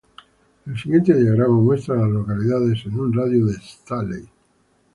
El siguiente diagrama muestra a las localidades en un radio de de Staley.